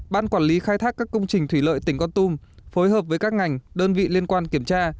ban quản lý khai thác các công trình thủy lợi tỉnh con tum phối hợp với các ngành đơn vị liên quan kiểm tra